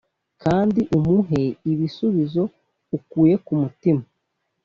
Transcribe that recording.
kandi umuhe ibisubizo ukuye ku mutima.